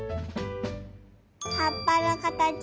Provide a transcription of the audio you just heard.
はっぱのかたちのぱん。